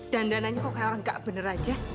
dananya kok kayak orang gak bener aja